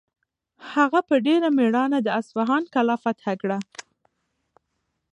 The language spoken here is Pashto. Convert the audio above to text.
هغه په ډېر مېړانه د اصفهان کلا فتح کړه.